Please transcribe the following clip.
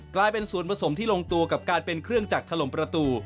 กลายเป็นส่วนผสมที่ลงตัวกับการเป็นเครื่องจักรถล่มประตู